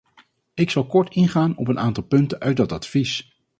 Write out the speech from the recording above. Ik zal kort ingaan op een aantal punten uit dat advies.